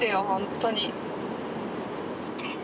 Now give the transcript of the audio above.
本当に。